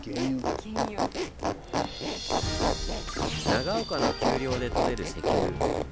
長岡の丘陵で採れる石油。